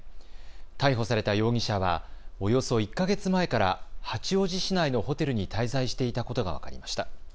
逮捕された容疑者はおよそ１か月前から八王子市内のホテルに滞在していたことが分かりました。